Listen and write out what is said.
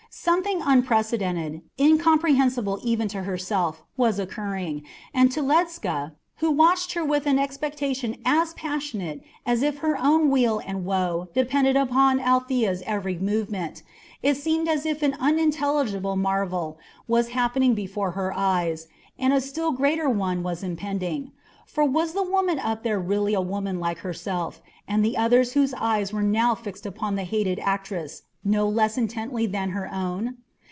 Something unprecedented, incomprehensible even to herself, was occurring, and to Ledscha, who watched her with an expectation as passionate as if her own weal and woe depended upon Althea's every movement, it seemed as if an unintelligible marvel was happening before her eyes, and a still greater one was impending; for was the woman up there really a woman like herself and the others whose eyes were now fixed upon the hated actress no less intently than her own?